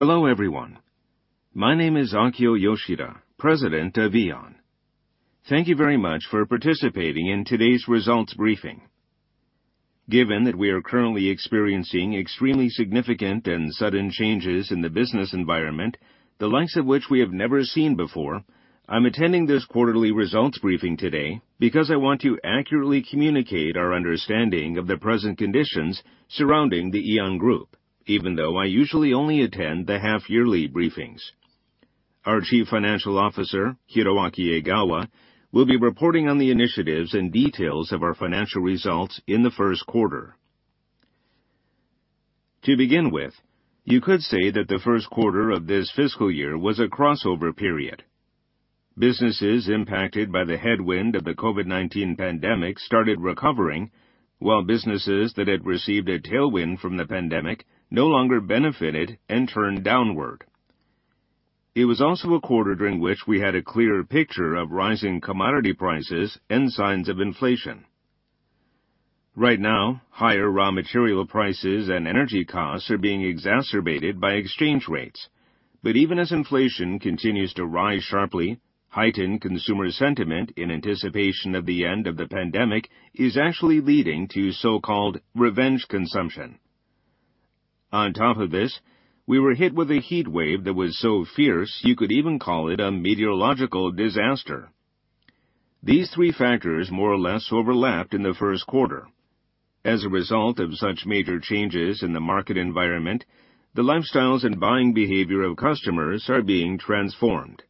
Hello everyone. My name is Akio Yoshida, President of AEON. Thank you very much for participating in today's results briefing. Given that we are currently experiencing extremely significant and sudden changes in the business environment, the likes of which we have never seen before, I'm attending this quarterly results briefing today because I want to accurately communicate our understanding of the present conditions surrounding the AEON Group, even though I usually only attend the half yearly briefings. Our Chief Financial Officer, Hiroaki Egawa, will be reporting on the initiatives and details of our financial results in the first quarter. To begin with, you could say that the first quarter of this fiscal year was a crossover period. Businesses impacted by the headwind of the COVID-19 pandemic started recovering, while businesses that had received a tailwind from the pandemic no longer benefited and turned downward. It was also a quarter during which we had a clearer picture of rising commodity prices and signs of inflation. Right now, higher raw material prices and energy costs are being exacerbated by exchange rates. Even as inflation continues to rise sharply, heightened consumer sentiment in anticipation of the end of the pandemic is actually leading to so-called revenge consumption. On top of this, we were hit with a heat wave that was so fierce you could even call it a meteorological disaster. These three factors more or less overlapped in the first quarter. As a result of such major changes in the market environment, the lifestyles and buying behavior of customers are being transformed.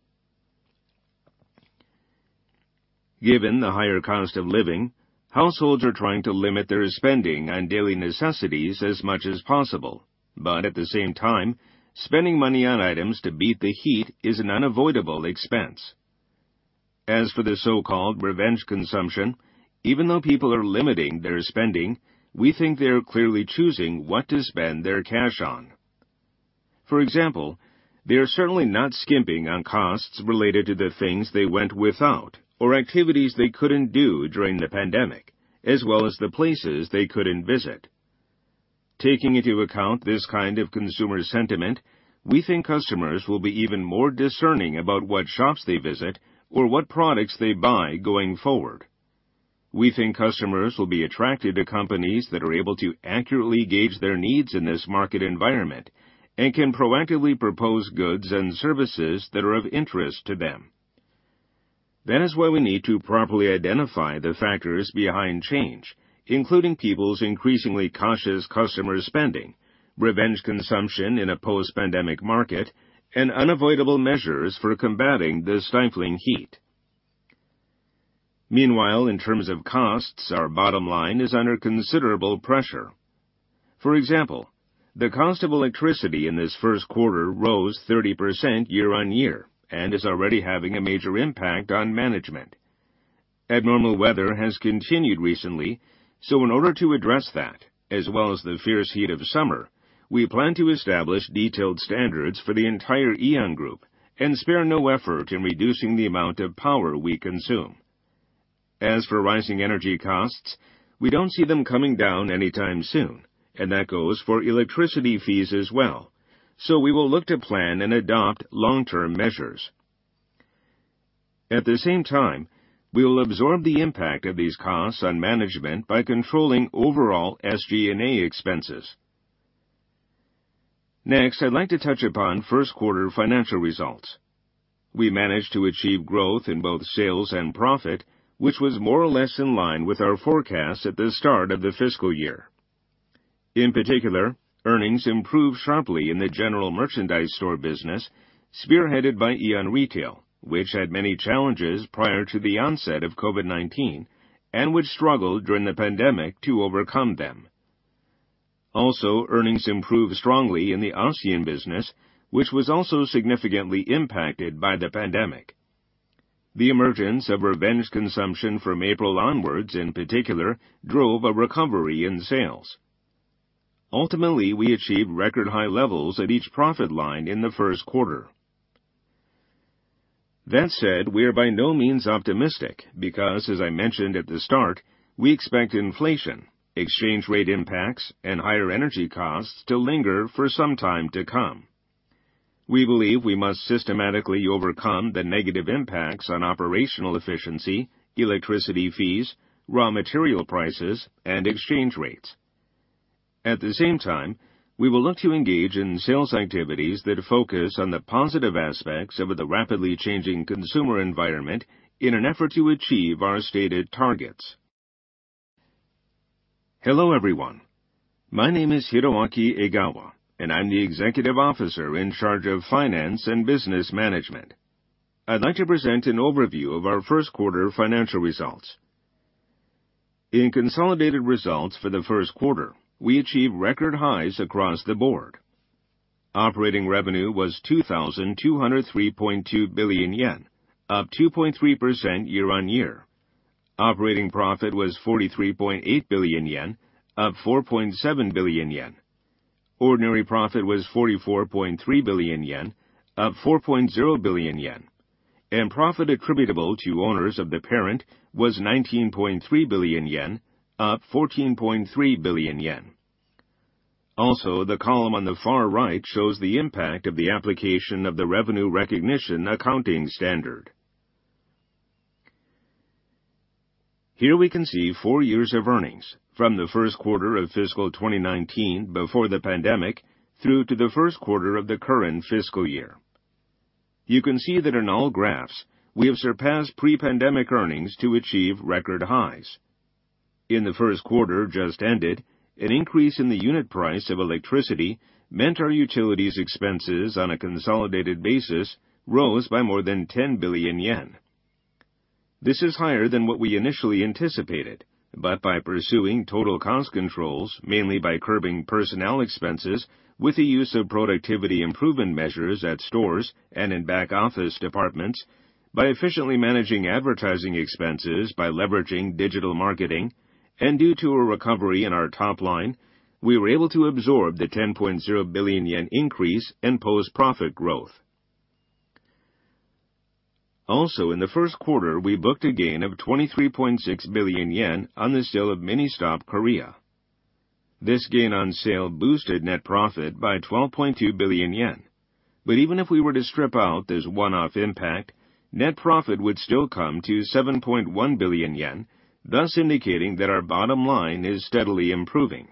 Given the higher cost of living, households are trying to limit their spending on daily necessities as much as possible. At the same time, spending money on items to beat the heat is an unavoidable expense. As for the so-called revenge consumption, even though people are limiting their spending, we think they are clearly choosing what to spend their cash on. For example, they are certainly not skimping on costs related to the things they went without or activities they couldn't do during the pandemic, as well as the places they couldn't visit. Taking into account this kind of consumer sentiment, we think customers will be even more discerning about what shops they visit or what products they buy going forward. We think customers will be attracted to companies that are able to accurately gauge their needs in this market environment and can proactively propose goods and services that are of interest to them. That is why we need to properly identify the factors behind change, including people's increasingly cautious customer spending, revenge consumption in a post-pandemic market, and unavoidable measures for combating the stifling heat. Meanwhile, in terms of costs, our bottom line is under considerable pressure. For example, the cost of electricity in this first quarter rose 30% year-on-year and is already having a major impact on management. Abnormal weather has continued recently, so in order to address that, as well as the fierce heat of summer, we plan to establish detailed standards for the entire AEON Group and spare no effort in reducing the amount of power we consume. As for rising energy costs, we don't see them coming down anytime soon, and that goes for electricity fees as well. We will look to plan and adopt long-term measures. At the same time, we will absorb the impact of these costs on management by controlling overall SG&A expenses. Next, I'd like to touch upon first quarter financial results. We managed to achieve growth in both sales and profit, which was more or less in line with our forecasts at the start of the fiscal year. In particular, earnings improved sharply in the general merchandise store business, spearheaded by Aeon Retail, which had many challenges prior to the onset of COVID-19 and which struggled during the pandemic to overcome them. Also, earnings improved strongly in the ASEAN business, which was also significantly impacted by the pandemic. The emergence of revenge consumption from April onwards, in particular, drove a recovery in sales. Ultimately, we achieved record high levels at each profit line in the first quarter. That said, we are by no means optimistic because, as I mentioned at the start, we expect inflation, exchange rate impacts and higher energy costs to linger for some time to come. We believe we must systematically overcome the negative impacts on operational efficiency, electricity fees, raw material prices and exchange rates. At the same time, we will look to engage in sales activities that focus on the positive aspects of the rapidly changing consumer environment in an effort to achieve our stated targets. Hello everyone. My name is Hiroaki Egawa, and I'm the Executive Officer in charge of Finance and Business Management. I'd like to present an overview of our first quarter financial results. In consolidated results for the first quarter, we achieved record highs across the board. Operating revenue was 2,203.2 billion yen, up 2.3% year-on-year. Operating profit was 43.8 billion yen, up 4.7 billion yen. Ordinary profit was 44.3 billion yen, up 4.0 billion yen. Profit attributable to owners of the parent was 19.3 billion yen, up 14.3 billion yen. Also, the column on the far right shows the impact of the application of the revenue recognition accounting standard. Here we can see four years of earnings from the first quarter of fiscal 2019 before the pandemic through to the first quarter of the current fiscal year. You can see that in all graphs we have surpassed pre-pandemic earnings to achieve record highs. In the first quarter just ended, an increase in the unit price of electricity meant our utilities expenses on a consolidated basis rose by more than 10 billion yen. This is higher than what we initially anticipated, but by pursuing total cost controls, mainly by curbing personnel expenses with the use of productivity improvement measures at stores and in back-office departments, by efficiently managing advertising expenses by leveraging digital marketing, and due to a recovery in our top line, we were able to absorb the 10.0 billion yen increase and post profit growth. Also, in the first quarter, we booked a gain of 23.6 billion yen on the sale of Ministop Korea. This gain on sale boosted net profit by 12.2 billion yen. Even if we were to strip out this one-off impact, net profit would still come to 7.1 billion yen, thus indicating that our bottom line is steadily improving.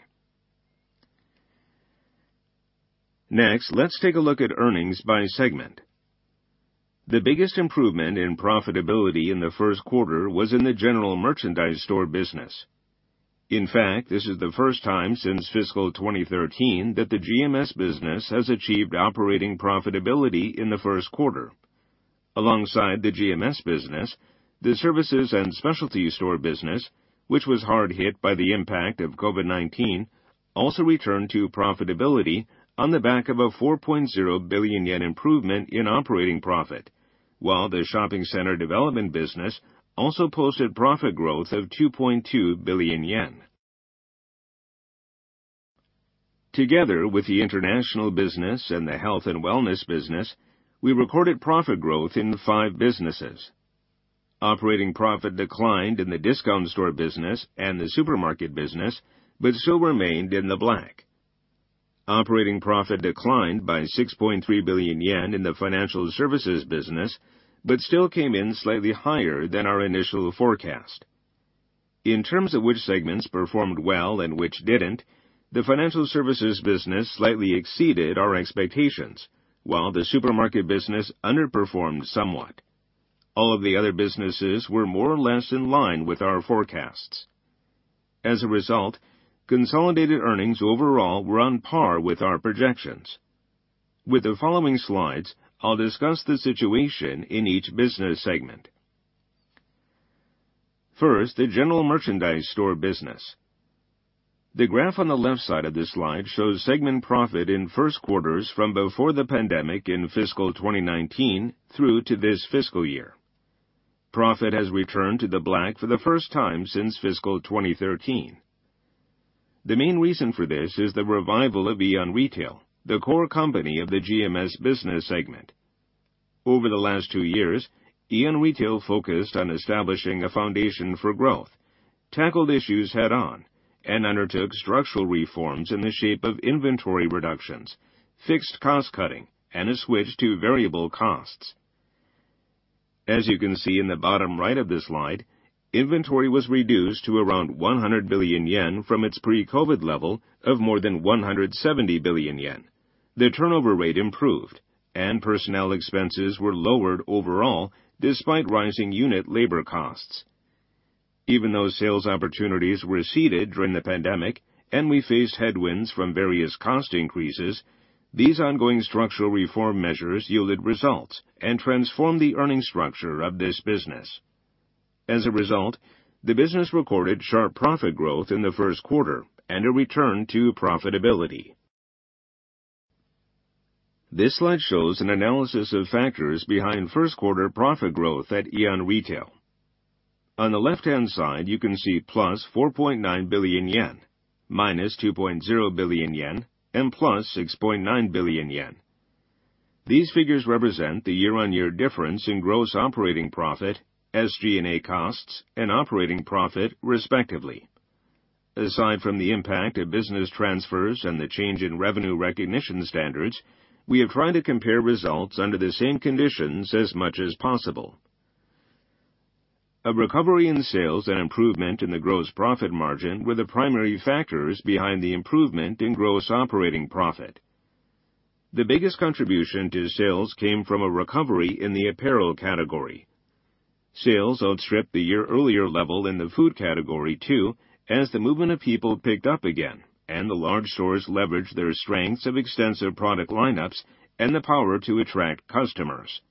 Next, let's take a look at earnings by segment. The biggest improvement in profitability in the first quarter was in the general merchandise store business. In fact, this is the first time since fiscal 2013 that the GMS business has achieved operating profitability in the first quarter. Alongside the GMS business, the services and specialty store business, which was hard hit by the impact of COVID-19, also returned to profitability on the back of a 4.0 billion yen improvement in operating profit, while the shopping center development business also posted profit growth of 2.2 billion yen. Together with the international business and the health and wellness business, we recorded profit growth in five businesses. Operating profit declined in the discount store business and the supermarket business, but still remained in the black. Operating profit declined by 6.3 billion yen in the financial services business, but still came in slightly higher than our initial forecast. In terms of which segments performed well and which didn't, the financial services business slightly exceeded our expectations, while the supermarket business underperformed somewhat. All of the other businesses were more or less in line with our forecasts. As a result, consolidated earnings overall were on par with our projections. With the following slides, I'll discuss the situation in each business segment. First, the general merchandise store business. The graph on the left side of this slide shows segment profit in first quarters from before the pandemic in fiscal 2019 through to this fiscal year. Profit has returned to the black for the first time since fiscal 2013. The main reason for this is the revival of Aeon Retail, the core company of the GMS business segment. Over the last two years, Aeon Retail focused on establishing a foundation for growth, tackled issues head-on, and undertook structural reforms in the shape of inventory reductions, fixed cost cutting, and a switch to variable costs. As you can see in the bottom right of this slide, inventory was reduced to around 100 billion yen from its pre-COVID level of more than 170 billion yen. The turnover rate improved and personnel expenses were lowered overall despite rising unit labor costs. Even though sales opportunities receded during the pandemic, and we faced headwinds from various cost increases, these ongoing structural reform measures yielded results and transformed the earning structure of this business. As a result, the business recorded sharp profit growth in the first quarter and a return to profitability. This slide shows an analysis of factors behind first quarter profit growth at Aeon Retail. On the left-hand side, you can see +4.9 billion yen, -2.0 billion yen, and +6.9 billion yen. These figures represent the year-on-year difference in gross operating profit, SG&A costs, and operating profit, respectively. Aside from the impact of business transfers and the change in revenue recognition standards, we have tried to compare results under the same conditions as much as possible. A recovery in sales and improvement in the gross profit margin were the primary factors behind the improvement in gross operating profit. The biggest contribution to sales came from a recovery in the apparel category. Sales outstripped the year-earlier level in the food category, too, as the movement of people picked up again and the large stores leveraged their strengths of extensive product lineups and the power to attract customers.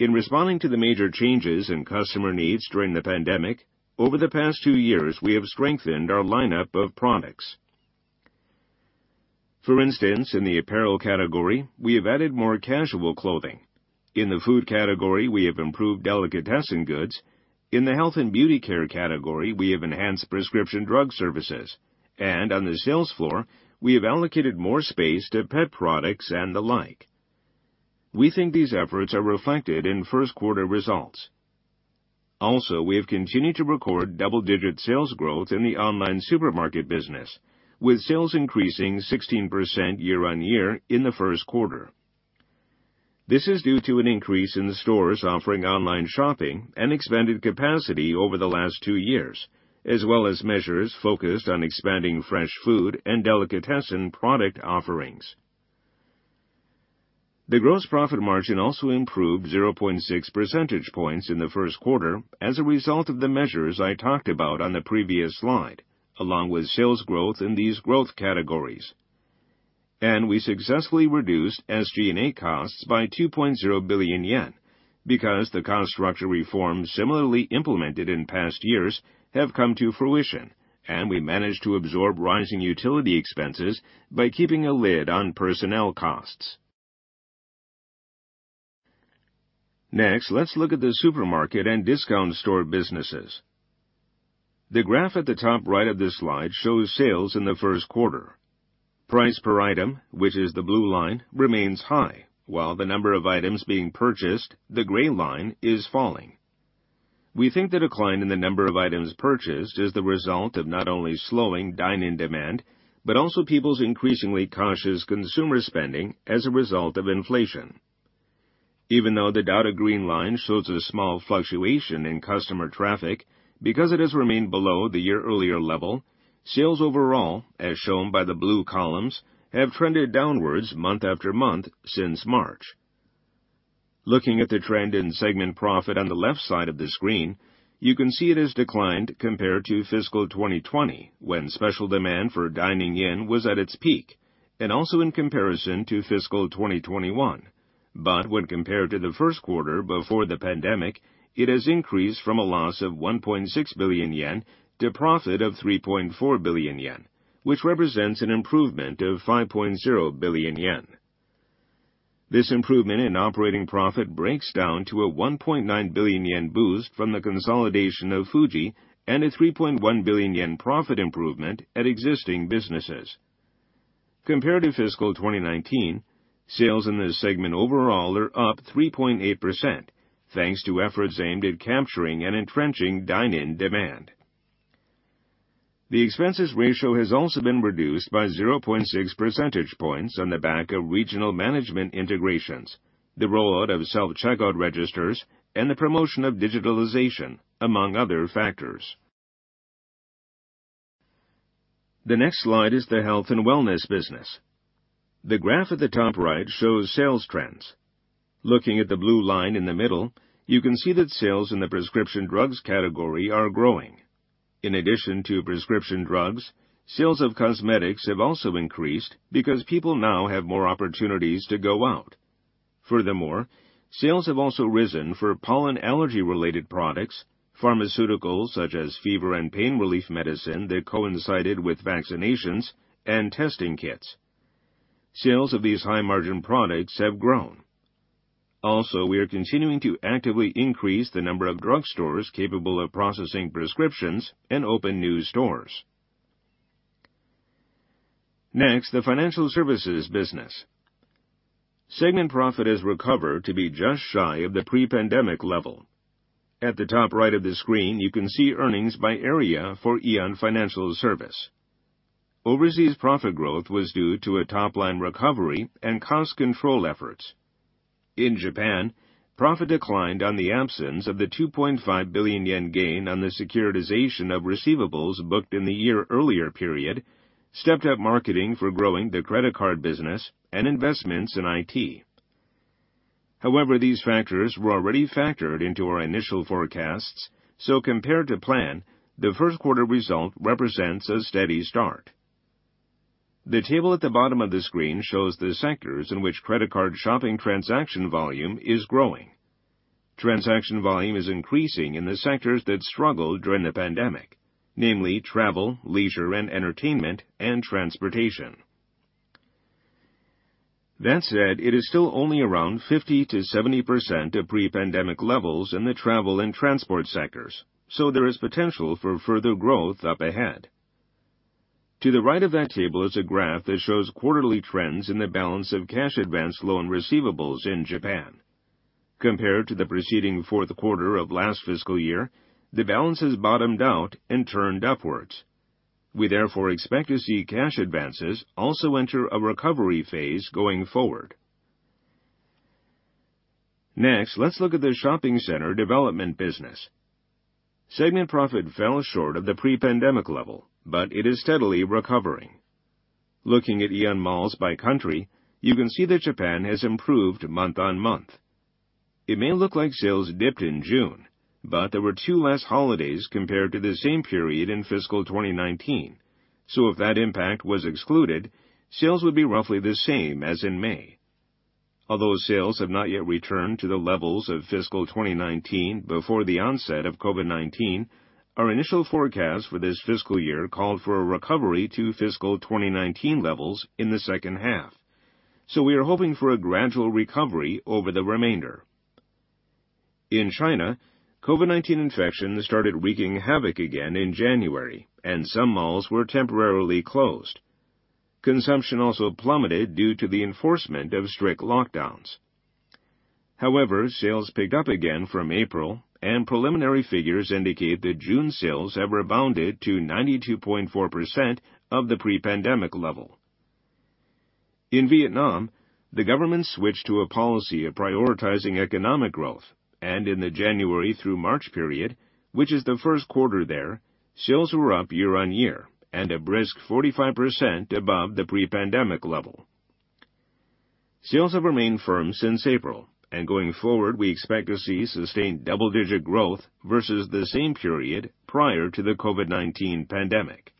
In responding to the major changes in customer needs during the pandemic, over the past two years, we have strengthened our lineup of products. For instance, in the apparel category, we have added more casual clothing. In the food category, we have improved delicatessen goods. In the health and beauty care category, we have enhanced prescription drug services. On the sales floor, we have allocated more space to pet products and the like. We think these efforts are reflected in first quarter results. Also, we have continued to record double-digit sales growth in the online supermarket business, with sales increasing 16% year-on-year in the first quarter. This is due to an increase in the stores offering online shopping and expanded capacity over the last 2 years, as well as measures focused on expanding fresh food and delicatessen product offerings. The gross profit margin also improved 0.6 percentage points in the first quarter as a result of the measures I talked about on the previous slide, along with sales growth in these growth categories. We successfully reduced SG&A costs by 2.0 billion yen because the cost structure reforms similarly implemented in past years have come to fruition, and we managed to absorb rising utility expenses by keeping a lid on personnel costs. Next, let's look at the supermarket and discount store businesses. The graph at the top right of this slide shows sales in the first quarter. Price per item, which is the blue line, remains high, while the number of items being purchased, the gray line, is falling. We think the decline in the number of items purchased is the result of not only slowing dine-in demand, but also people's increasingly cautious consumer spending as a result of inflation. Even though the dotted green line shows a small fluctuation in customer traffic because it has remained below the year-earlier level, sales overall, as shown by the blue columns, have trended downward month after month since March. Looking at the trend in segment profit on the left side of the screen, you can see it has declined compared to fiscal 2020, when special demand for dining in was at its peak, and also in comparison to fiscal 2021. When compared to the first quarter before the pandemic, it has increased from a loss of 1.6 billion yen to profit of 3.4 billion yen, which represents an improvement of 5.0 billion yen. This improvement in operating profit breaks down to a 1.9 billion yen boost from the consolidation of Fuji and a 3.1 billion yen profit improvement at existing businesses. Compared to fiscal 2019, sales in this segment overall are up 3.8%, thanks to efforts aimed at capturing and entrenching dine-in demand. The expense ratio has also been reduced by 0.6 percentage points on the back of regional management integrations, the rollout of self-checkout registers, and the promotion of digitalization, among other factors. The next slide is the health and wellness business. The graph at the top right shows sales trends. Looking at the blue line in the middle, you can see that sales in the prescription drugs category are growing. In addition to prescription drugs, sales of cosmetics have also increased because people now have more opportunities to go out. Furthermore, sales have also risen for pollen allergy-related products, pharmaceuticals such as fever and pain relief medicine that coincided with vaccinations, and testing kits. Sales of these high-margin products have grown. Also, we are continuing to actively increase the number of drugstores capable of processing prescriptions and open new stores. Next, the financial services business. Segment profit has recovered to be just shy of the pre-pandemic level. At the top right of the screen, you can see earnings by area for AEON Financial Service. Overseas profit growth was due to a top-line recovery and cost control efforts. In Japan, profit declined on the absence of the 2.5 billion yen gain on the securitization of receivables booked in the year earlier period, stepped-up marketing for growing the credit card business, and investments in IT. However, these factors were already factored into our initial forecasts, so compared to plan, the first quarter result represents a steady start. The table at the bottom of the screen shows the sectors in which credit card shopping transaction volume is growing. Transaction volume is increasing in the sectors that struggled during the pandemic, namely travel, leisure and entertainment, and transportation. That said, it is still only around 50%-70% of pre-pandemic levels in the travel and transport sectors, so there is potential for further growth up ahead. To the right of that table is a graph that shows quarterly trends in the balance of cash advance loan receivables in Japan. Compared to the preceding fourth quarter of last fiscal year, the balance has bottomed out and turned upwards. We therefore expect to see cash advances also enter a recovery phase going forward. Next, let's look at the shopping center development business. Segment profit fell short of the pre-pandemic level, but it is steadily recovering. Looking at AEON malls by country, you can see that Japan has improved month-on-month. It may look like sales dipped in June, but there were two less holidays compared to the same period in fiscal 2019, so if that impact was excluded, sales would be roughly the same as in May. Although sales have not yet returned to the levels of fiscal 2019 before the onset of COVID-19, our initial forecast for this fiscal year called for a recovery to fiscal 2019 levels in the second half. We are hoping for a gradual recovery over the remainder. In China, COVID-19 infections started wreaking havoc again in January, and some malls were temporarily closed. Consumption also plummeted due to the enforcement of strict lockdowns. However, sales picked up again from April, and preliminary figures indicate that June sales have rebounded to 92.4% of the pre-pandemic level. In Vietnam, the government switched to a policy of prioritizing economic growth. In the January through March period, which is the first quarter there, sales were up year-on-year and a brisk 45% above the pre-pandemic level. Sales have remained firm since April, and going forward, we expect to see sustained double-digit growth versus the same period prior to the COVID-19 pandemic.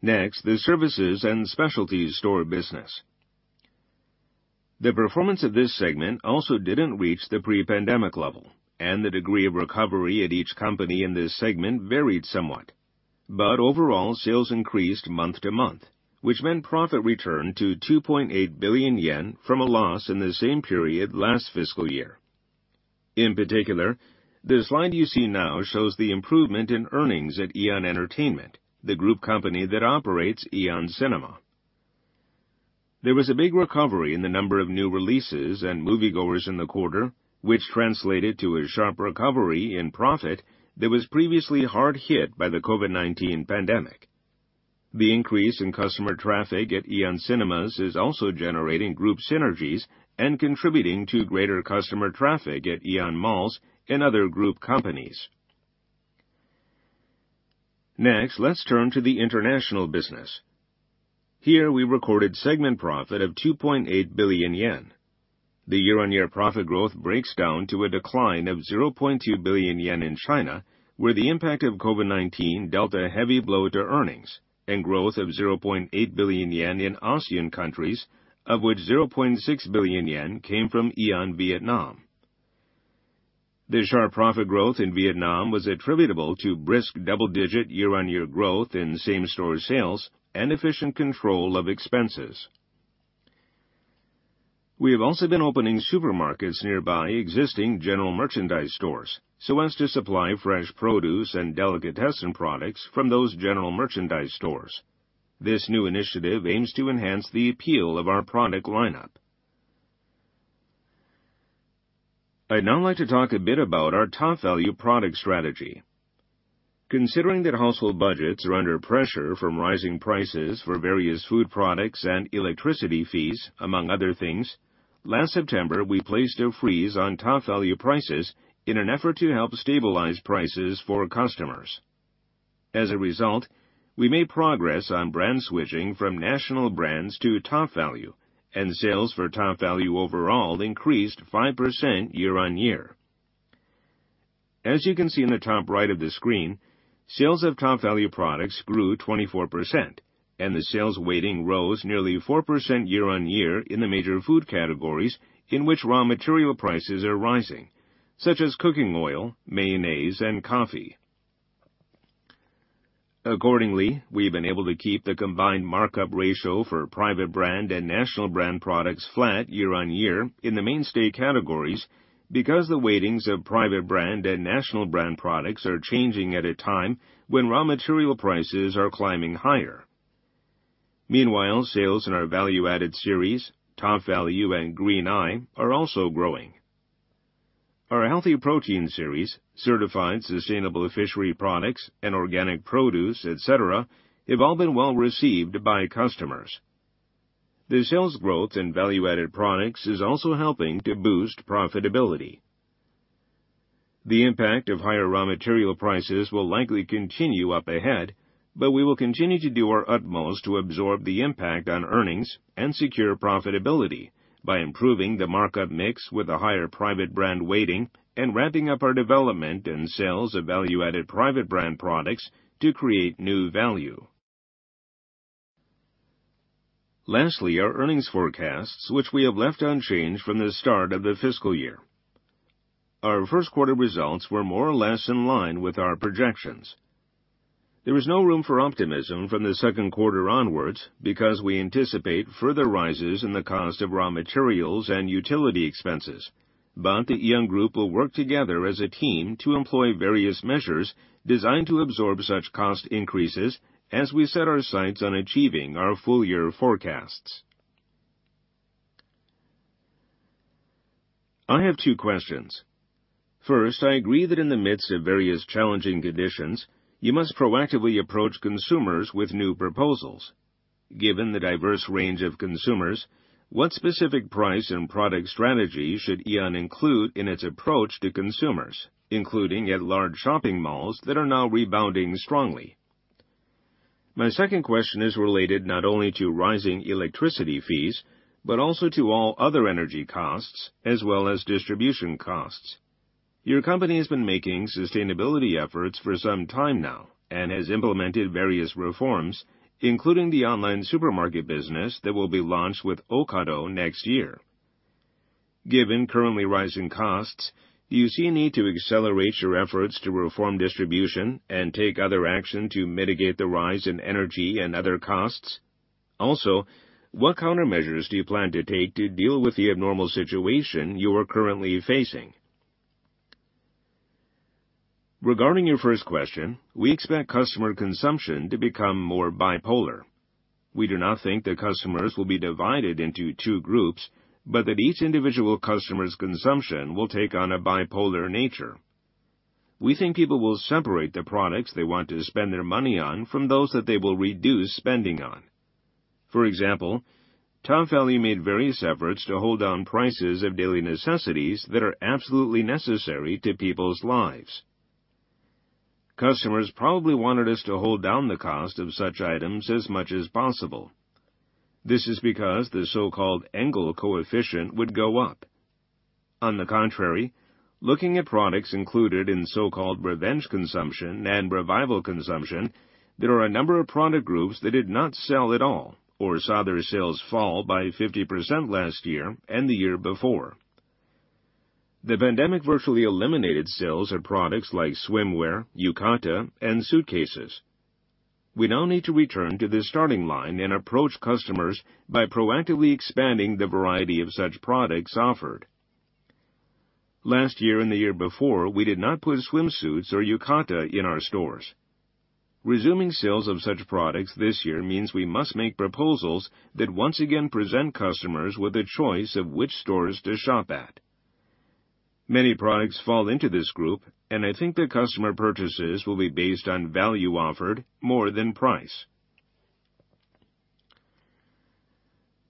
Next, the services and specialties store business. The performance of this segment also didn't reach the pre-pandemic level, and the degree of recovery at each company in this segment varied somewhat. Overall, sales increased month-to-month, which meant profit returned to 2.8 billion yen from a loss in the same period last fiscal year. In particular, the slide you see now shows the improvement in earnings at AEON Entertainment, the group company that operates AEON CINEMA. There was a big recovery in the number of new releases and moviegoers in the quarter, which translated to a sharp recovery in profit that was previously hard hit by the COVID-19 pandemic. The increase in customer traffic at AEON Cinemas is also generating group synergies and contributing to greater customer traffic at AEON Malls and other group companies. Next, let's turn to the international business. Here we recorded segment profit of 2.8 billion yen. The year-on-year profit growth breaks down to a decline of 0.2 billion yen in China, where the impact of COVID-19 dealt a heavy blow to earnings and growth of 0.8 billion yen in ASEAN countries, of which 0.6 billion yen came from AEON Vietnam. The sharp profit growth in Vietnam was attributable to brisk double-digit year-on-year growth in same-store sales and efficient control of expenses. We have also been opening supermarkets nearby existing general merchandise stores so as to supply fresh produce and delicatessen products from those general merchandise stores. This new initiative aims to enhance the appeal of our product lineup. I'd now like to talk a bit about our Topvalu product strategy. Considering that household budgets are under pressure from rising prices for various food products and electricity fees, among other things, last September, we placed a freeze on Topvalu prices in an effort to help stabilize prices for customers. As a result, we made progress on brand switching from national brands to Topvalu, and sales for Topvalu overall increased 5% year-on-year. As you can see in the top right of the screen, sales of Topvalu products grew 24% and the sales weighting rose nearly 4% year-on-year in the major food categories in which raw material prices are rising, such as cooking oil, mayonnaise, and coffee. Accordingly, we've been able to keep the combined markup ratio for private brand and national brand products flat year on year in the mainstay categories because the weightings of private brand and national brand products are changing at a time when raw material prices are climbing higher. Meanwhile, sales in our value-added series, Topvalu and Green Eye, are also growing. Our healthy protein series, certified sustainable fishery products, and organic produce, et cetera, have all been well-received by customers. The sales growth in value-added products is also helping to boost profitability. The impact of higher raw material prices will likely continue up ahead, but we will continue to do our utmost to absorb the impact on earnings and secure profitability by improving the markup mix with a higher private brand weighting and ramping up our development and sales of value-added private brand products to create new value. Lastly, our earnings forecasts, which we have left unchanged from the start of the fiscal year. Our first quarter results were more or less in line with our projections. There is no room for optimism from the second quarter onwards because we anticipate further rises in the cost of raw materials and utility expenses. The AEON Group will work together as a team to employ various measures designed to absorb such cost increases as we set our sights on achieving our full year forecasts. I have two questions. First, I agree that in the midst of various challenging conditions, you must proactively approach consumers with new proposals. Given the diverse range of consumers, what specific price and product strategy should AEON include in its approach to consumers, including at large shopping malls that are now rebounding strongly? My second question is related not only to rising electricity fees, but also to all other energy costs as well as distribution costs. Your company has been making sustainability efforts for some time now and has implemented various reforms, including the online supermarket business that will be launched with Ocado next year. Given currently rising costs, do you see a need to accelerate your efforts to reform distribution and take other action to mitigate the rise in energy and other costs? Also, what countermeasures do you plan to take to deal with the abnormal situation you are currently facing? Regarding your first question, we expect customer consumption to become more bipolar. We do not think the customers will be divided into two groups, but that each individual customer's consumption will take on a bipolar nature. We think people will separate the products they want to spend their money on from those that they will reduce spending on. For example, Topvalu made various efforts to hold down prices of daily necessities that are absolutely necessary to people's lives. Customers probably wanted us to hold down the cost of such items as much as possible. This is because the so-called Engel coefficient would go up. On the contrary, looking at products included in so-called revenge consumption and revival consumption, there are a number of product groups that did not sell at all or saw their sales fall by 50% last year and the year before. The pandemic virtually eliminated sales of products like swimwear, yukata, and suitcases. We now need to return to the starting line and approach customers by proactively expanding the variety of such products offered. Last year and the year before, we did not put swimsuits or yukata in our stores. Resuming sales of such products this year means we must make proposals that once again present customers with a choice of which stores to shop at. Many products fall into this group, and I think their customer purchases will be based on value offered more than price.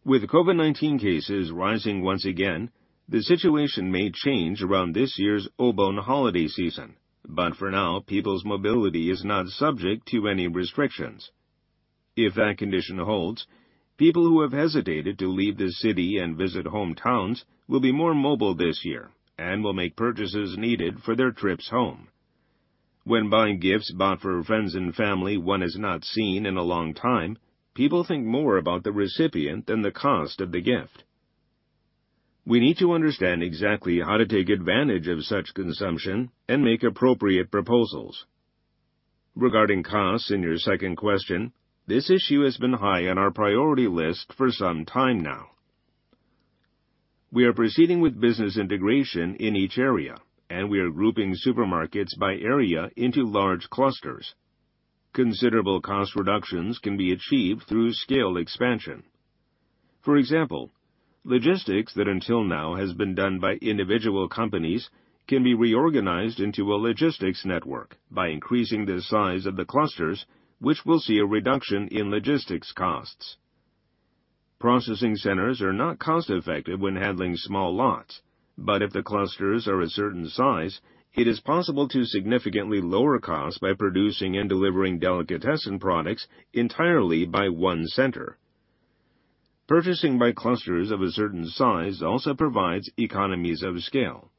With COVID-19 cases rising once again, the situation may change around this year's Obon holiday season, but for now, people's mobility is not subject to any restrictions. If that condition holds, people who have hesitated to leave the city and visit hometowns will be more mobile this year and will make purchases needed for their trips home. When buying gifts bought for friends and family one has not seen in a long time, people think more about the recipient than the cost of the gift. We need to understand exactly how to take advantage of such consumption and make appropriate proposals. Regarding costs in your second question, this issue has been high on our priority list for some time now. We are proceeding with business integration in each area, and we are grouping supermarkets by area into large clusters. Considerable cost reductions can be achieved through scale expansion. For example, logistics that until now has been done by individual companies can be reorganized into a logistics network by increasing the size of the clusters, which will see a reduction in logistics costs. Processing centers are not cost-effective when handling small lots, but if the clusters are a certain size, it is possible to significantly lower costs by producing and delivering delicatessen products entirely by one center. Purchasing by clusters of a certain size also provides economies of scale.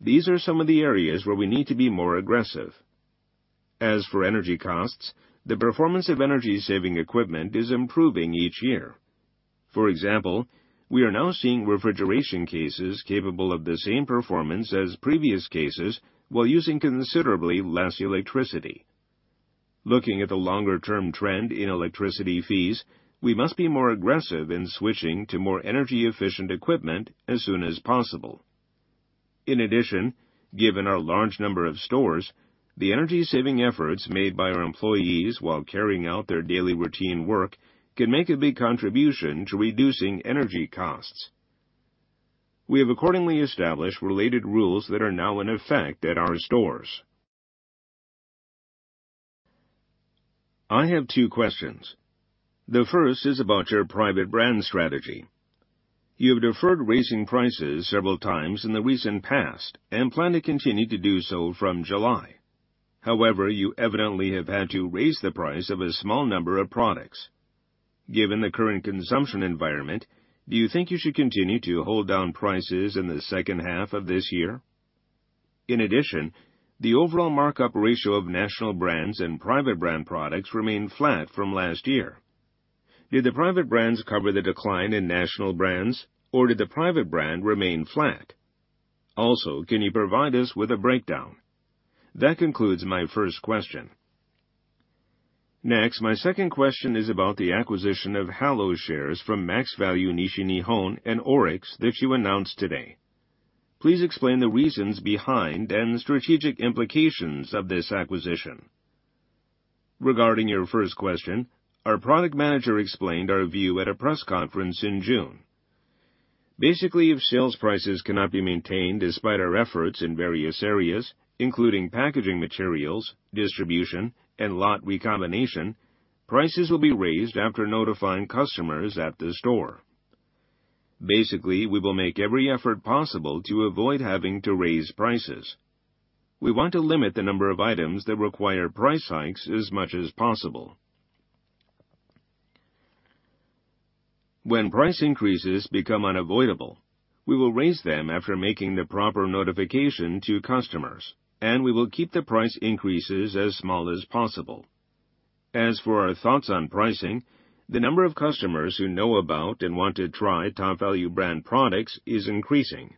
These are some of the areas where we need to be more aggressive. As for energy costs, the performance of energy-saving equipment is improving each year. For example, we are now seeing refrigeration cases capable of the same performance as previous cases while using considerably less electricity. Looking at the longer-term trend in electricity fees, we must be more aggressive in switching to more energy-efficient equipment as soon as possible. In addition, given our large number of stores, the energy-saving efforts made by our employees while carrying out their daily routine work can make a big contribution to reducing energy costs. We have accordingly established related rules that are now in effect at our stores. I have two questions. The first is about your private brand strategy. You have deferred raising prices several times in the recent past and plan to continue to do so from July. However, you evidently have had to raise the price of a small number of products. Given the current consumption environment, do you think you should continue to hold down prices in the second half of this year? In addition, the overall markup ratio of national brands and private brand products remained flat from last year. Did the private brands cover the decline in national brands, or did the private brand remain flat? Also, can you provide us with a breakdown? That concludes my first question. Next, my second question is about the acquisition of Halows shares from Maxvalu Nishinihon and ORIX that you announced today. Please explain the reasons behind and strategic implications of this acquisition. Regarding your first question, our product manager explained our view at a press conference in June. Basically, if sales prices cannot be maintained despite our efforts in various areas, including packaging materials, distribution, and lot recombination, prices will be raised after notifying customers at the store. Basically, we will make every effort possible to avoid having to raise prices. We want to limit the number of items that require price hikes as much as possible. When price increases become unavoidable, we will raise them after making the proper notification to customers, and we will keep the price increases as small as possible. As for our thoughts on pricing, the number of customers who know about and want to try Topvalu brand products is increasing.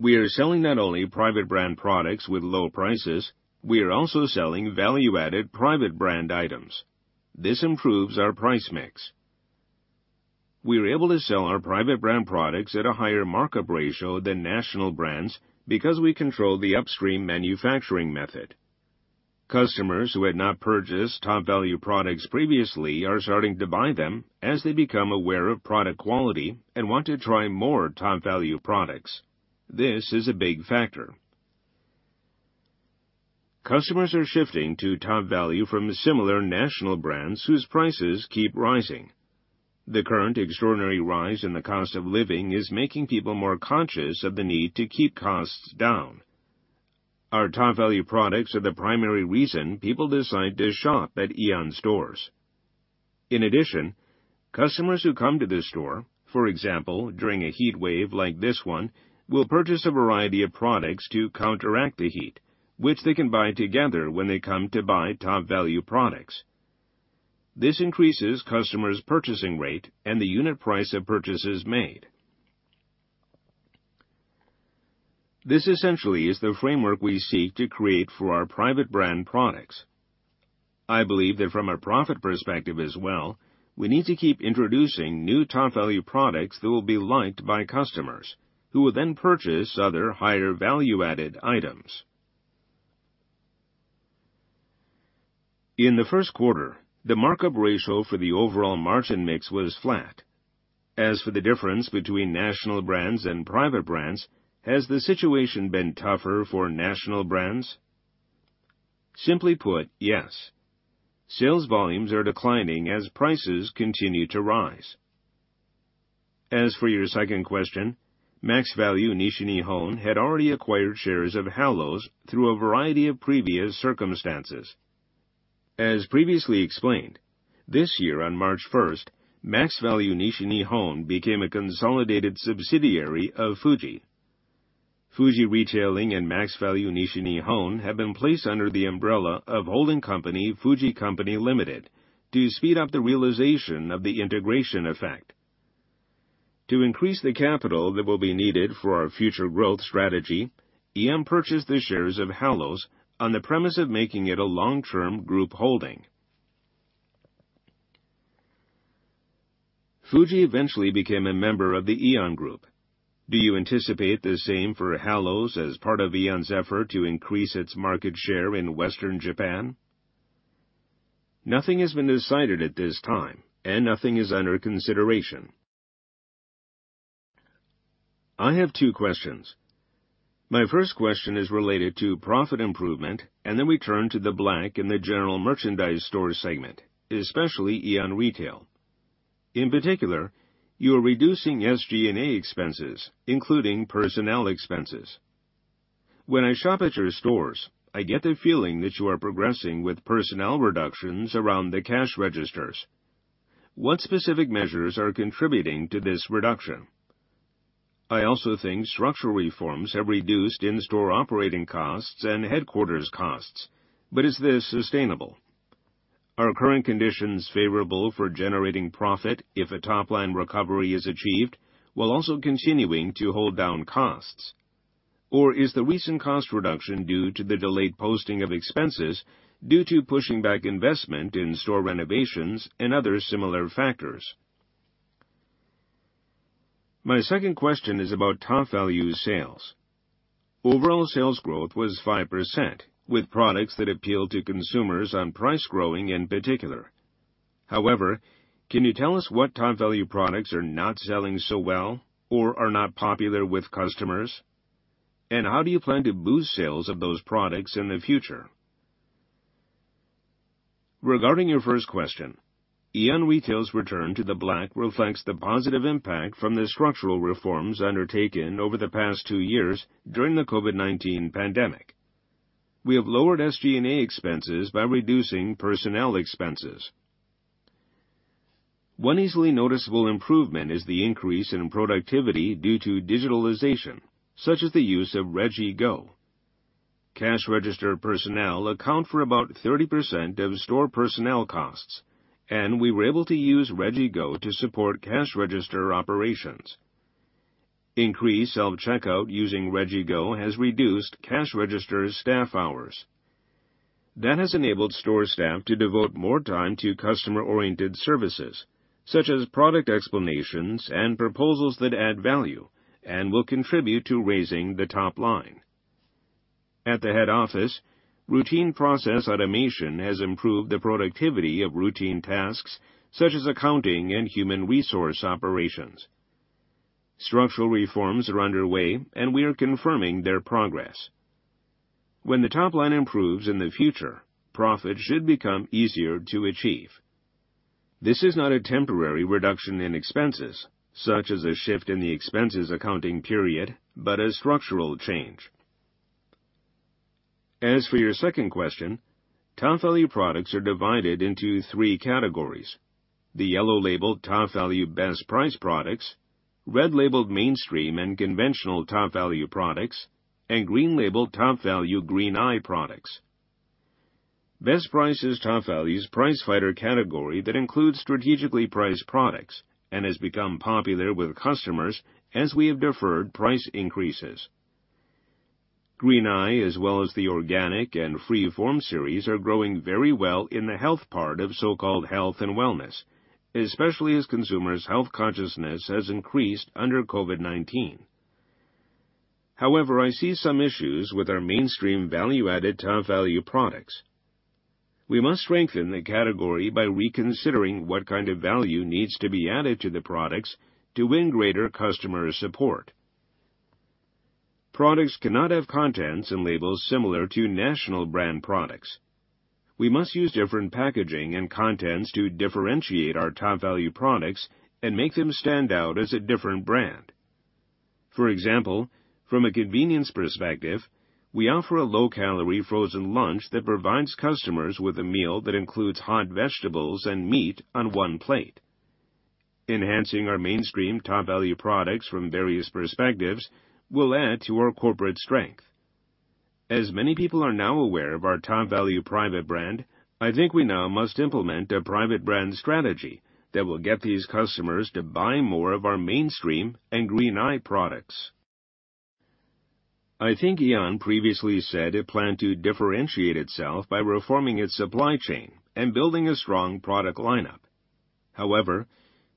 We are selling not only private brand products with low prices, we are also selling value-added private brand items. This improves our price mix. We are able to sell our private brand products at a higher markup ratio than national brands because we control the upstream manufacturing method. Customers who had not purchased Topvalu products previously are starting to buy them as they become aware of product quality and want to try more Topvalu products. This is a big factor. Customers are shifting to Topvalu from similar national brands whose prices keep rising. The current extraordinary rise in the cost of living is making people more conscious of the need to keep costs down. Our Topvalu products are the primary reason people decide to shop at AEON stores. In addition, customers who come to the store, for example, during a heat wave like this one, will purchase a variety of products to counteract the heat, which they can buy together when they come to buy Topvalu products. This increases customers' purchasing rate and the unit price of purchases made. This essentially is the framework we seek to create for our private brand products. I believe that from a profit perspective as well, we need to keep introducing new Topvalu products that will be liked by customers who will then purchase other higher value-added items. In the first quarter, the markup ratio for the overall margin mix was flat. As for the difference between national brands and private brands, has the situation been tougher for national brands? Simply put, yes. Sales volumes are declining as prices continue to rise. As for your second question, Maxvalu Nishinihon had already acquired shares of Halows through a variety of previous circumstances. As previously explained, this year on March 1st, Maxvalu Nishinihon became a consolidated subsidiary of Fuji. FUJI Retailing and Maxvalu Nishinihon have been placed under the umbrella of holding company, FUJI CO., LTD., to speed up the realization of the integration effect. To increase the capital that will be needed for our future growth strategy, Aeon purchased the shares of Halows on the premise of making it a long-term group holding. Fuji eventually became a member of the Aeon Group. Do you anticipate the same for Halows as part of Aeon's effort to increase its market share in Western Japan? Nothing has been decided at this time, and nothing is under consideration. I have two questions. My first question is related to profit improvement, and then we turn to the black in the general merchandise store segment, especially Aeon Retail. In particular, you are reducing SG&A expenses, including personnel expenses. When I shop at your stores, I get the feeling that you are progressing with personnel reductions around the cash registers. What specific measures are contributing to this reduction? I also think structural reforms have reduced in-store operating costs and headquarters costs, but is this sustainable? Are current conditions favorable for generating profit if a top-line recovery is achieved while also continuing to hold down costs? Or is the recent cost reduction due to the delayed posting of expenses due to pushing back investment in store renovations and other similar factors? My second question is about Topvalu sales. Overall sales growth was 5%, with products that appeal to consumers on price growing in particular. However, can you tell us what Topvalu products are not selling so well or are not popular with customers? And how do you plan to boost sales of those products in the future? Regarding your first question, Aeon Retail's return to the black reflects the positive impact from the structural reforms undertaken over the past two years during the COVID-19 pandemic. We have lowered SG&A expenses by reducing personnel expenses. One easily noticeable improvement is the increase in productivity due to digitalization, such as the use of RegiGo. Cash register personnel account for about 30% of store personnel costs, and we were able to use RegiGo to support cash register operations. Increased self-checkout using RegiGo has reduced cash register staff hours. That has enabled store staff to devote more time to customer-oriented services, such as product explanations and proposals that add value and will contribute to raising the top line. At the head office, routine process automation has improved the productivity of routine tasks, such as accounting and human resource operations. Structural reforms are underway, and we are confirming their progress. When the top line improves in the future, profit should become easier to achieve. This is not a temporary reduction in expenses, such as a shift in the expenses accounting period, but a structural change. As for your second question, Topvalu products are divided into three categories: the yellow-labeled Topvalu Bestprice products, red-labeled mainstream and conventional Topvalu products, and green-labeled Topvalu Green Eye products. Bestprice's Topvalu's price fighter category that includes strategically priced products and has become popular with customers as we have deferred price increases. Green Eye, as well as the organic and free-from series, are growing very well in the health part of so-called health and wellness, especially as consumers' health consciousness has increased under COVID-19. However, I see some issues with our mainstream value-added Topvalu products. We must strengthen the category by reconsidering what kind of value needs to be added to the products to win greater customer support. Products cannot have contents and labels similar to national brand products. We must use different packaging and contents to differentiate our Topvalu products and make them stand out as a different brand. For example, from a convenience perspective, we offer a low-calorie frozen lunch that provides customers with a meal that includes hot vegetables and meat on one plate. Enhancing our mainstream Topvalu products from various perspectives will add to our corporate strength. As many people are now aware of our Topvalu private brand, I think we now must implement a private brand strategy that will get these customers to buy more of our mainstream and Green Eye products. I think Aeon previously said it planned to differentiate itself by reforming its supply chain and building a strong product lineup. However,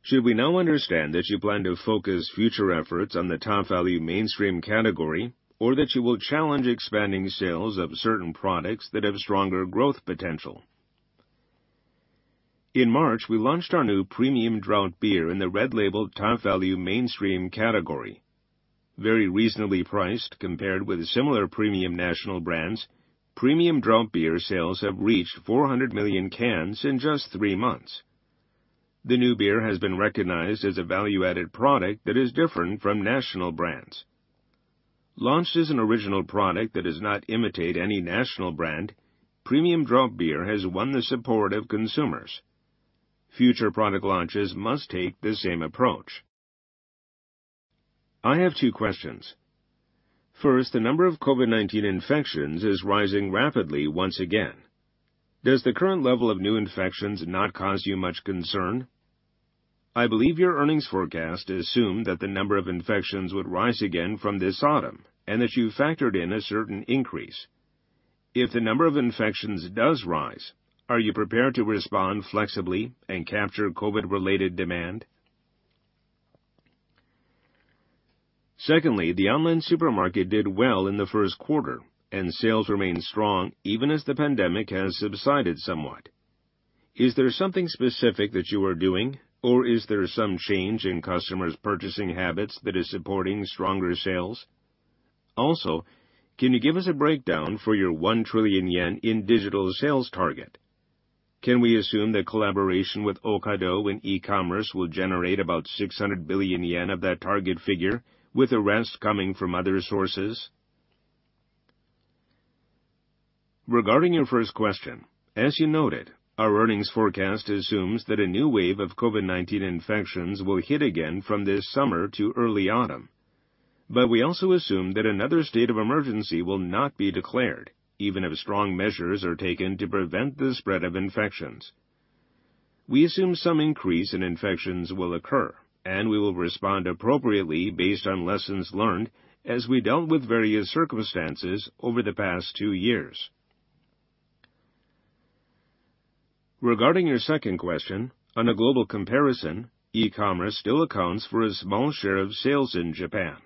should we now understand that you plan to focus future efforts on the Topvalu mainstream category or that you will challenge expanding sales of certain products that have stronger growth potential? In March, we launched our new Premium Draft Beer in the red label Topvalu mainstream category. Very reasonably priced compared with similar premium national brands, Premium Draft Beer sales have reached 400 million cans in just three months. The new beer has been recognized as a value-added product that is different from national brands. Launched as an original product that does not imitate any national brand, Premium Draft Beer has won the support of consumers. Future product launches must take the same approach. I have 2 questions. First, the number of COVID-19 infections is rising rapidly once again. Does the current level of new infections not cause you much concern? I believe your earnings forecast assumed that the number of infections would rise again from this autumn and that you factored in a certain increase. If the number of infections does rise, are you prepared to respond flexibly and capture COVID-related demand? Secondly, the online supermarket did well in the first quarter, and sales remain strong even as the pandemic has subsided somewhat. Is there something specific that you are doing or is there some change in customers' purchasing habits that is supporting stronger sales? Also, can you give us a breakdown for your 1 trillion yen in digital sales target? Can we assume that collaboration with Ocado in e-commerce will generate about 600 billion yen of that target figure with the rest coming from other sources? Regarding your first question, as you noted, our earnings forecast assumes that a new wave of COVID-19 infections will hit again from this summer to early autumn. We also assume that another state of emergency will not be declared even if strong measures are taken to prevent the spread of infections. We assume some increase in infections will occur, and we will respond appropriately based on lessons learned as we dealt with various circumstances over the past two years. Regarding your second question, on a global comparison, e-commerce still accounts for a small share of sales in Japan.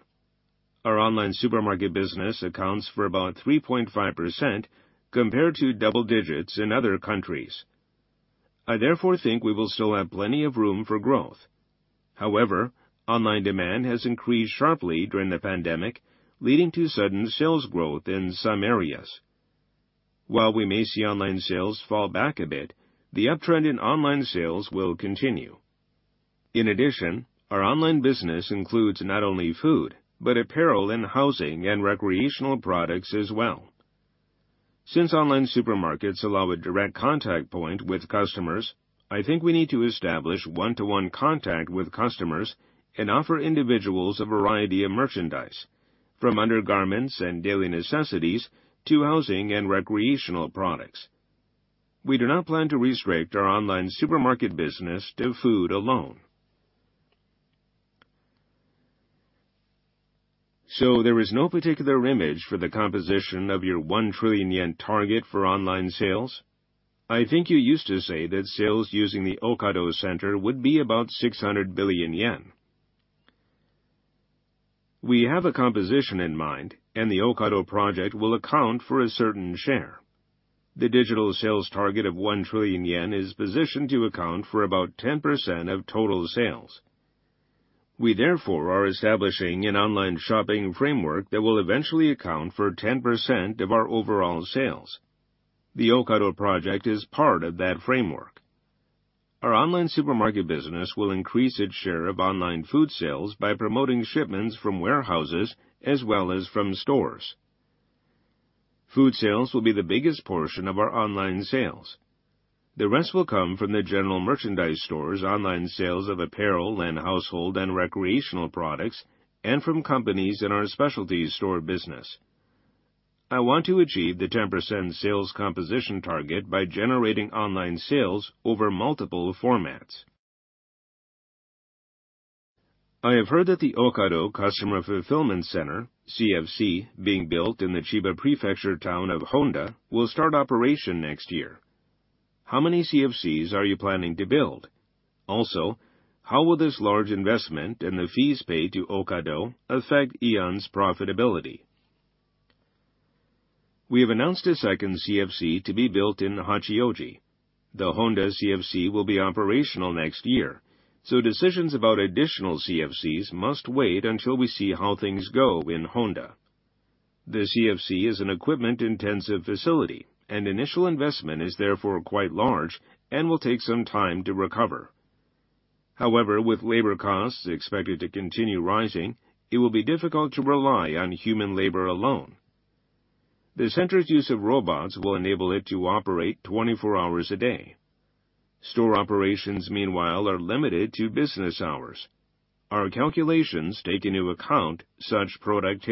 Our online supermarket business accounts for about 3.5% compared to double digits in other countries. I therefore think we will still have plenty of room for growth. However, online demand has increased sharply during the pandemic, leading to sudden sales growth in some areas. While we may see online sales fall back a bit, the uptrend in online sales will continue. In addition, our online business includes not only food, but apparel and housing and recreational products as well. Since online supermarkets allow a direct contact point with customers, I think we need to establish one-to-one contact with customers and offer individuals a variety of merchandise from undergarments and daily necessities to housing and recreational products. We do not plan to restrict our online supermarket business to food alone. There is no particular image for the composition of your 1 trillion yen target for online sales? I think you used to say that sales using the Ocado center would be about 600 billion yen. We have a composition in mind, and the Ocado project will account for a certain share. The digital sales target of 1 trillion yen is positioned to account for about 10% of total sales. We therefore are establishing an online shopping framework that will eventually account for 10% of our overall sales. The Ocado project is part of that framework. Our online supermarket business will increase its share of online food sales by promoting shipments from warehouses as well as from stores. Food sales will be the biggest portion of our online sales. The rest will come from the general merchandise stores, online sales of apparel and household and recreational products, and from companies in our specialty store business. I want to achieve the 10% sales composition target by generating online sales over multiple formats. I have heard that the Ocado Customer Fulfillment Center, CFC, being built in the Honda-cho, Midori-ku, Chiba-city will start operation next year. How many CFCs are you planning to build? Also, how will this large investment and the fees paid to Ocado affect Aeon's profitability? We have announced a second CFC to be built in Hachioji. The Honda CFC will be operational next year, so decisions about additional CFCs must wait until we see how things go in Honda. The CFC is an equipment-intensive facility, and initial investment is therefore quite large and will take some time to recover. However, with labor costs expected to continue rising, it will be difficult to rely on human labor alone. The center's use of robots will enable it to operate 24 hours a day. Store operations, meanwhile, are limited to business hours. Our calculations take into account such product.